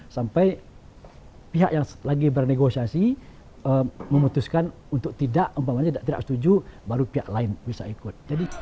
sampai pihak yang lagi bernegosiasi memutuskan untuk tidak umpamanya tidak setuju baru pihak lain bisa ikut